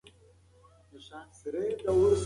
هغه وویل د سپکو خوړو لپاره د بازار نوښتونه مهم دي.